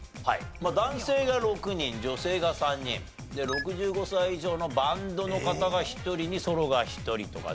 まあ男性が６人女性が３人。で６５歳以上のバンドの方が１人にソロが１人とかね